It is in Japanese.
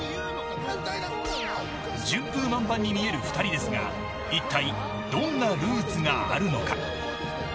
順風満帆に見える２人ですがいったいどんなルーツがあるのか。